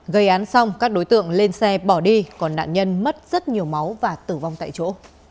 gây án xong các đối tượng lên xe bỏ đi còn nạn nhân mất rất nhiều máu và tử vong tại chỗ